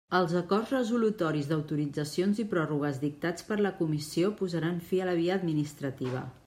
Els acords resolutoris d'autoritzacions i pròrrogues dictats per la Comissió posaran fi a la via administrativa.